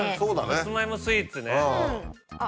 さつまいもスイーツね。